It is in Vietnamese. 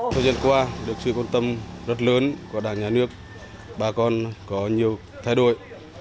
thời gian qua được sự quan tâm rất lớn của đảng nhà nước bà con có nhiều thay đổi